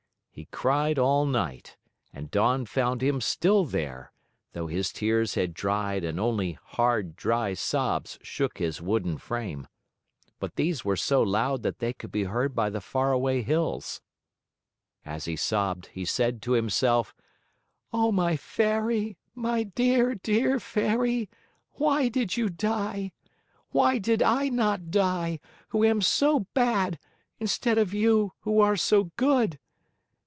He cried all night, and dawn found him still there, though his tears had dried and only hard, dry sobs shook his wooden frame. But these were so loud that they could be heard by the faraway hills. As he sobbed he said to himself: "Oh, my Fairy, my dear, dear Fairy, why did you die? Why did I not die, who am so bad, instead of you, who are so good?